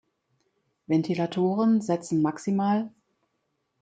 Ventilatoren setzen max.